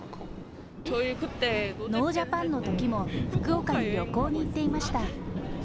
ノー・ジャパンのときも、福岡に旅行に行っていました。